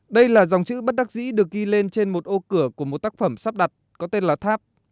đây là dòng chữ bất đắc dĩ được ghi lên trên một ô cửa của một tác phẩm sắp đặt có tên là tháp